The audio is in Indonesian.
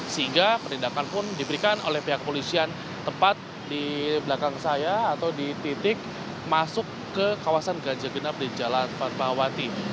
sehingga penindakan pun diberikan oleh pihak polisian tepat di belakang saya atau di titik masuk ke kawasan ganjil genap di jalan fatmawati